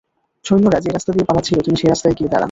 সৈন্যরা যে রাস্তা দিয়ে পালাচ্ছিল তিনি সে রাস্তায় গিয়ে দাঁড়ান।